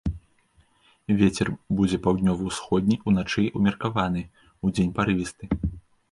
Вецер будзе паўднёва-ўсходні, уначы ўмеркаваны, удзень парывісты.